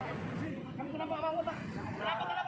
kami tidak menangkap kamu pak